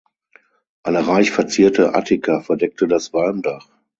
Eine reich verzierte Attika verdeckte das Walmdach.